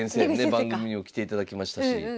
番組にも来ていただきましたし。